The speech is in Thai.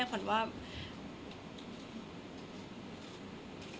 แต่ขวัญไม่สามารถสวมเขาให้แม่ขวัญได้